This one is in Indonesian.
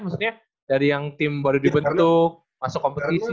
maksudnya dari yang tim baru dibentuk masuk kompetisi